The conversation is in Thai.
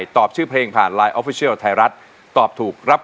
ขอบคุณครับ